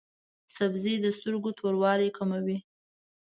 دا سبزی د سترګو توروالی کموي.